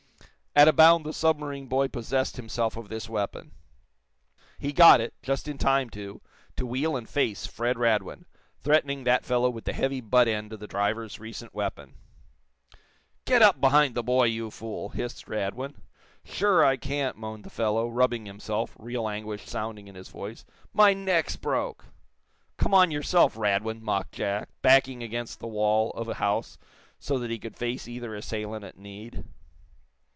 At a bound the submarine boy possessed himself of this weapon. He got it, just in time, too, to wheel and face Fred Radwin, threatening that fellow with the heavy butt end of the driver's recent weapon. "Get up behind the boy, you fool!" hissed Radwin. "Sure, I can't," moaned the fellow, rubbing himself, real anguish sounding in his voice. "My neck's broke!" "Come on yourself, Radwin!" mocked Jack, backing against the wall of a house so that he could face either assailant at need.